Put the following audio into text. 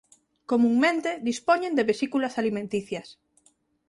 Comunmente dispoñen de vesículas alimenticias.